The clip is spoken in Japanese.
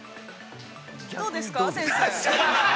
どうですか、先生。